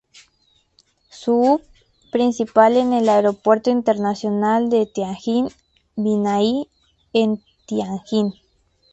Su "hub" principal es el Aeropuerto Internacional de Tianjín-Binhai en Tianjin.